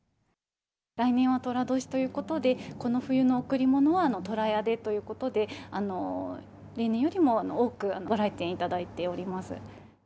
来年はとら年ということで、この冬の贈り物は、とらやでということで、例年よりも多く、ご来店いただいております。